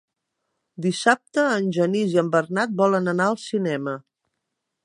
Dissabte en Genís i en Bernat volen anar al cinema.